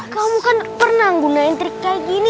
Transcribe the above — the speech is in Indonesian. kamu kan pernah menggunakan trik kayak gini